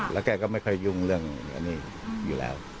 แล้วแกก็ไม่ค่อยยุ่งเรื่องอันนี้อยู่แล้ว